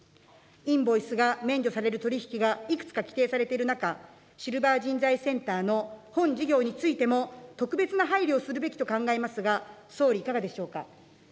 インボイスが免除される取り引きがいくつか規定されている中、シルバー人材センターの本事業についても、特別の配慮をするべきと考えますが、総理いかがでしょうか。